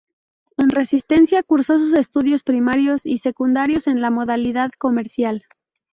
En Resistencia cursó sus estudios primarios y secundarios en la modalidad comercial.